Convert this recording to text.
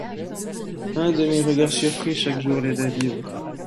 Un de mes regards surpris chaque jour l’aide à vivre.